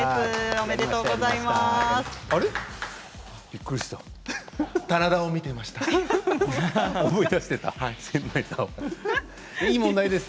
おめでとうございます。